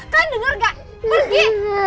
kalian denger gak pergi